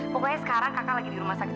pokoknya sekarang kakak lagi di rumah sakit